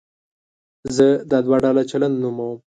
زه دا دوه ډوله چلند نوموم.